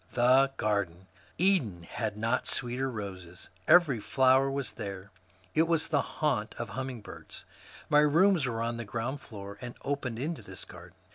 The garden! Eden had not sweeter roses; every flower was there; it was the haunt of hummingbirds. My rooms were on the ground floor and opened into this garden.